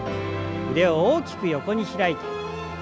腕を大きく横に開いて。